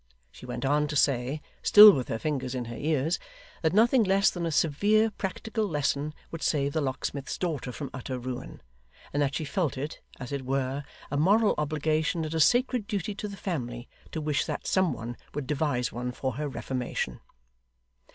She then went on to say (still with her fingers in her ears) that nothing less than a severe practical lesson would save the locksmith's daughter from utter ruin; and that she felt it, as it were, a moral obligation and a sacred duty to the family, to wish that some one would devise one for her reformation.